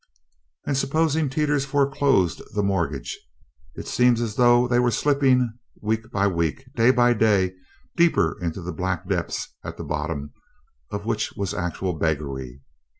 And supposing Teeters foreclosed the mortgage! It seemed as though they were slipping week by week, day by day, deeper into the black depths at the bottom of which was actual beggary.